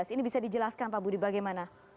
ini bisa dijelaskan pak budi bagaimana